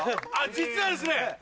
実はですね